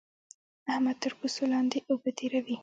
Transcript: احمد تر بوسو لاندې اوبه تېروي